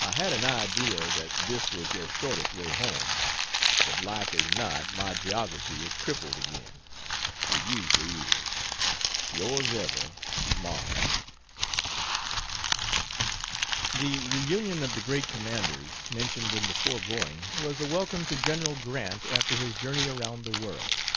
I had an idea that this was your shortest way home, but like as not my geography is crippled again it usually is. Yrs ever MARK. The "Reunion of the Great Commanders," mentioned in the foregoing, was a welcome to General Grant after his journey around the world.